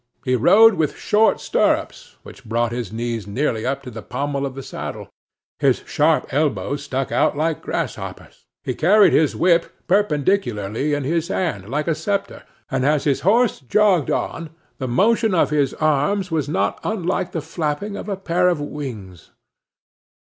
He rode with short stirrups, which brought his knees nearly up to the pommel of the saddle; his sharp elbows stuck out like grasshoppers'; he carried his whip perpendicularly in his hand, like a sceptre, and as his horse jogged on, the motion of his arms was not unlike the flapping of a pair of wings.